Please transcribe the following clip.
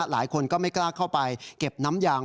หลายคนก็ไม่กล้าเข้าไปเก็บน้ำยาง